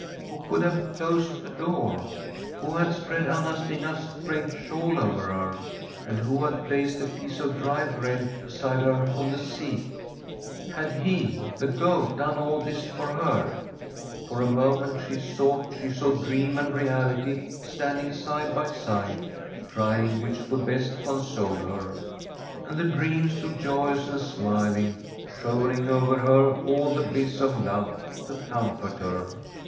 Who could have closed the door? who had spread Anna Stina's great shawl over her? and who had placed a piece of dry bread beside her on the seat ? Had he, the Goat, done [6i] From d SWEDISH HOMESTEAD all this for her? For a moment she thought she saw dream and reality standing side by side, try ing which could best console her. And the dream stood joyous and smiling, showering over her all the bliss of love to comfort her.